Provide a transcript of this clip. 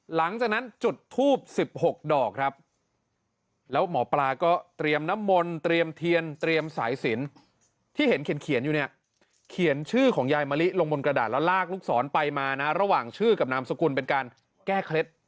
หลังจากนั้นจุดทูบ๑๖ดอกครับแล้วหมอปลาก็เตรียมน้ำมนต์เตรียมเทียนเตรียมสายสินที่เห็นเขียนอยู่เนี่ยเขียนชื่อของยายมะลิลงบนกระดาษแล้วลากลูกศรไปมานะระหว่างชื่อกับนามสกุลเป็นการแก้เคล็ด